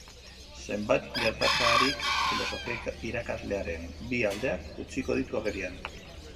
Zenbait gertakarik filosofia irakaslearen bi aldeak utziko ditu agerian.